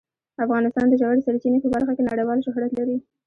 افغانستان د ژورې سرچینې په برخه کې نړیوال شهرت لري.